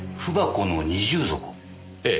ええ。